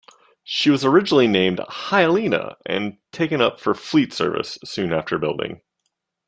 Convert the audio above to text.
She was originally named "Hyalina" and taken up for Fleet Service soon after building.